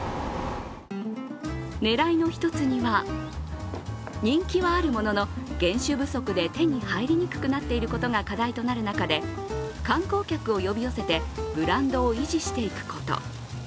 狙いの一つには、人気はあるものの原酒不足で手に入りにくくなっていることが課題となる中で観光客を呼び寄せてブランドを維持していくこと。